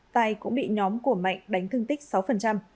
tài cũng bị nhóm của mạnh đánh thương tích sáu